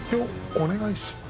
お願いします。